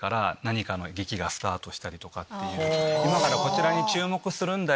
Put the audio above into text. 今からこちらに注目するんだよ！